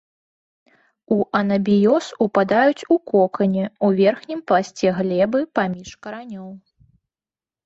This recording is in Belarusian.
У анабіёз упадаюць у кокане ў верхнім пласце глебы паміж каранёў.